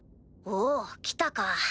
お来たか。